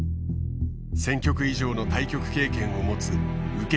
１，０００局以上の対局経験を持つ受け